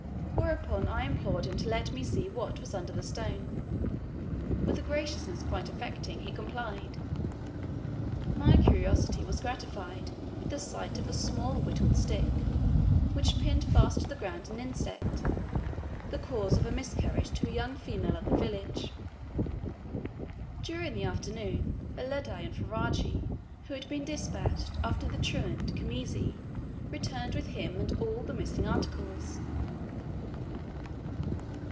Whereupon I implored him to let me see what was under the stone. With a graciousness quite affecting he complied. My curiosity was gratified with the sight of a small whittled stick, which pinned fast to the ground an insect, the cause of a miscarriage to a young female of the village. During the afternoon, Uledi and Ferajji, who had been despatched after the truant Khamisi, returned with him and all the missing articles.